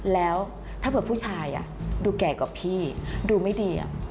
แล้วถ้าเผื่อผู้ชายดูแก่กว่าพี่ดูไม่ดี